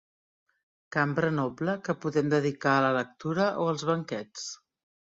Cambra noble que podem dedicar a la lectura o als banquets.